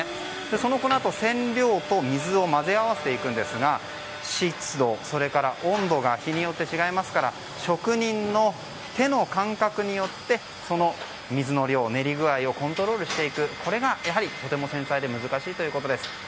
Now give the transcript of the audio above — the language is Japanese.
その粉と染料と水を混ぜ合わせていくんですが湿度、温度が日によって違いますから職人の手の感覚によってその水の量、練り具合をコントロールしていくこれがとても繊細で難しいということです。